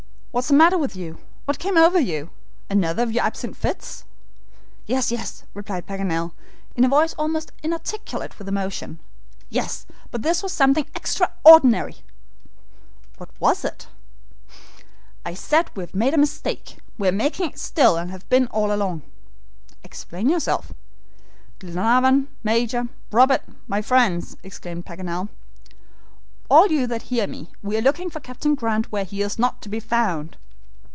What is the matter with you? What came over you? Another of your absent fits." "Yes, yes," replied Paganel, in a voice almost inarticulate with emotion. "Yes, but this was something extraordinary." "What was it?" "I said we had made a mistake. We are making it still, and have been all along." "Explain yourself." "Glenarvan, Major, Robert, my friends," exclaimed Paganel, "all you that hear me, we are looking for Captain Grant where he is not to be found."